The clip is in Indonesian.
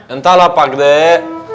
entahlah pak dek